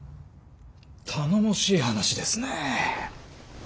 頼もしい話ですね。